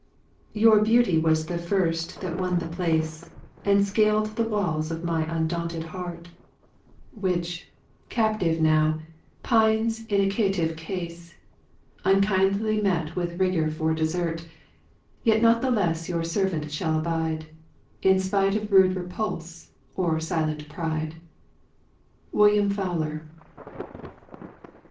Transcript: "Your beauty was the first that won the place And scal'd the walls of my undaunted heart, Which, captive now, pines in a caitive case, Unkindly met with rigour for desert: Yet not the less your servant shall abide, In spite of rude repulse or silent pride." WILLIAM FOWLER.